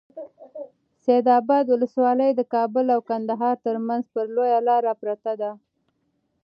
سید اباد ولسوالي د کابل او کندهار ترمنځ پر لویه لاره پرته ده.